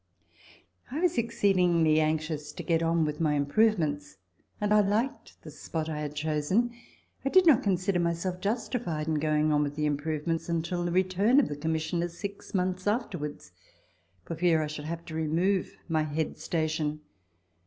I was exceedingly anxious to get on with my improvements, and I liked the spot I had chosen. I did not consider myself justi fied in going on with the improvements until the return of the Commissioner six months afterwards, for fear I should have to remove my head station.